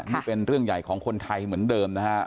นี่เป็นเรื่องใหญ่ของคนไทยเหมือนเดิมนะฮะ